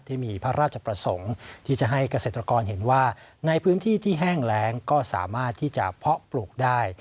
ที่มีพระราชประสงค์ที่จะให้เกษตรกรเห็นว่าในพื้นที่ที่แห้งแรงก็สามารถที่จะเพาะปลูกได้